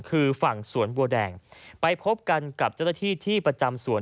คือฝั่งสวนบัวแดงไปพบกันกับเจ้าหน้าที่ที่ประจำสวน